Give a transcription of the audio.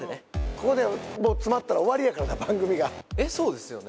ここで詰まったら終わりやから番組がえっそうですよね